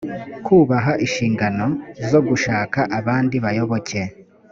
kubaha inshingano zo gushaka abandi bayoboke